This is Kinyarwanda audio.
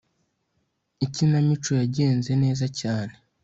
Ikinamico yagenze neza cyane